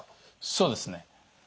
そうですね。